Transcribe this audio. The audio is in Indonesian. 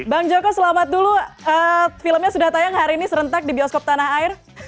bang joko selamat dulu filmnya sudah tayang hari ini serentak di bioskop tanah air